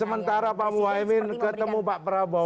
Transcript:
sementara pak muhaymin ketemu pak prabowo